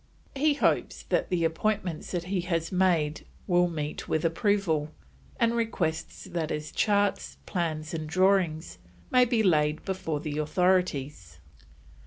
He hopes that the appointments that he has made will meet with approval, and requests that his charts, plans, and drawings may be laid before the authorities.